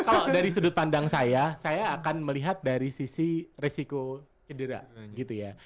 kalau dari sudut pandang saya saya akan melihat dari sisi resiko cedera gitu ya